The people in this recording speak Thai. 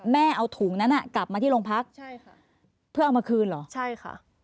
แม่เอาถุงนั้นอ่ะกลับมาที่โรงพักใช่ค่ะเพื่อเอามาคืนเหรอใช่ค่ะ